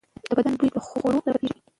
د بدن بوی د خوړو سره بدلېږي.